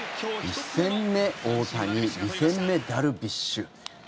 １戦目、大谷２戦目、ダルビッシュ。